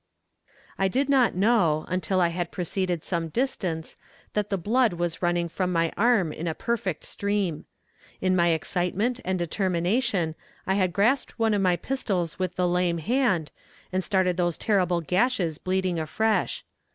I did not know, until I had proceeded some distance, that the blood was running from my arm in a perfect stream. In my excitement and determination, I had grasped one of my pistols with the lame hand and started those terrible gashes bleeding afresh.